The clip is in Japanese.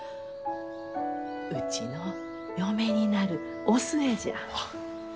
うちの嫁になるお寿恵じゃ。